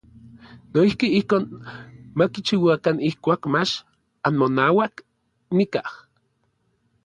Noijki ijkon ma kichiuakan ijkuak mach anmonauak nikaj.